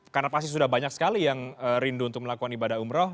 karena pasti sudah banyak sekali yang rindu untuk melakukan ibadah umroh